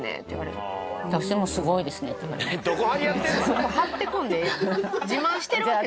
そこ張ってこんでええ。